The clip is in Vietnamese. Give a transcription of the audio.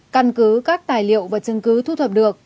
căn cứ các tài liệu và chứng cứ thu thập được